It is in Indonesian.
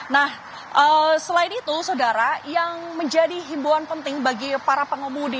nah selain itu saudara yang menjadi himbuan penting bagi para pengemudi